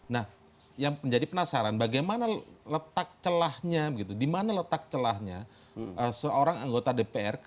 nah yang menjadi penasaran bagaimana letak celahnya di mana letak celahnya seorang anggota dpr